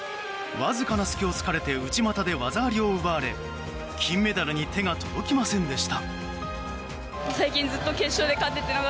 わずかな隙を突かれて内股で技ありを取られ金メダルに手が届きませんでした。